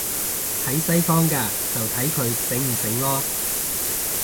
喺西方嘅，就睇佢醒唔醒囉